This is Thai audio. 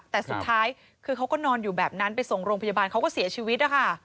แต่สุดท้ายคือเขาก็นอนอยู่แบบนั้นไปส่งโรงพยาบาลเขาก็เสียชีวิตนะคะ